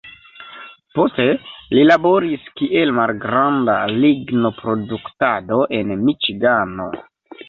Poste li laboris kiel malgranda lignoproduktado en Miĉigano.